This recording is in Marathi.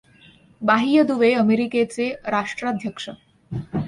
बाह्य दुवे अमेरिकेचे राष्ट्राध्यक्ष